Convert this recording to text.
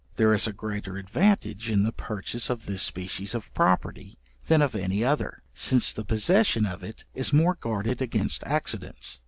There is a greater advantage in the purchase of this species of property, than of any other, since the possession of it is more guarded against accidents.